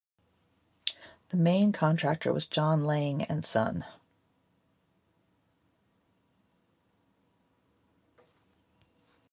The main contractor was John Laing and Son.